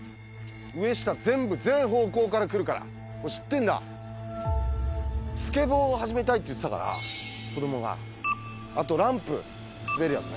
上下全部全方向から来るから知ってんだスケボーを始めたいって言ってたから子どもがあとランプ滑るやつね